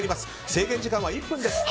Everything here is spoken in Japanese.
制限時間は１分です。